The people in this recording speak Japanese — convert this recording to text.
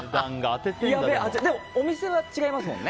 でもお店が違いますもんね。